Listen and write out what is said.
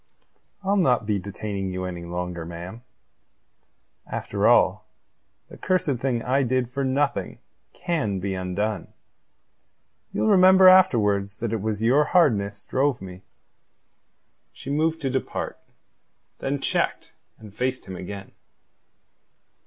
"I'll not be detaining you any longer, ma'am. After all, the cursed thing I did for nothing can be undone. Ye'll remember afterwards that it was your hardness drove me." She moved to depart, then checked, and faced him again.